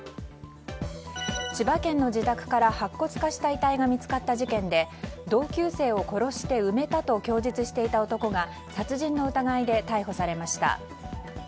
千葉県の自宅から白骨化した遺体が見つかった事件で同級生を殺して埋めたと供述していた男が殺人の疑いで逮捕されました。